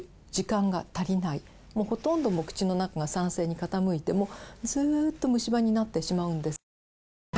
ほとんどもう口の中が酸性に傾いてずっと虫歯になってしまうんですよ。